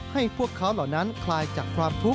ให้พวกเขาเหล่านั้นคลายจากความทุกข์